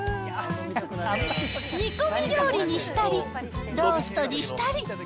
煮込み料理にしたり、ローストにしたり。